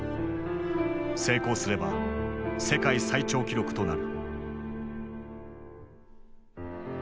成功すれば世界最長記録となる。